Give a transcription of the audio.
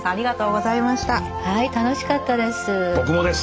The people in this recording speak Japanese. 楽しかったです。